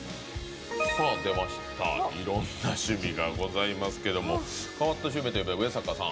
いろんな趣味がございますけれど変わった趣味といえば、上坂さん